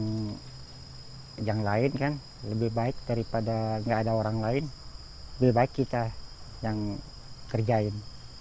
ya karena nggak ada pekerjaan yang lain kan lebih baik daripada nggak ada orang lain lebih baik kita yang kerjain